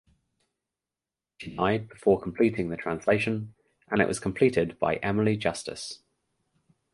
She died before completing the translation and it was completed by Emily Justice.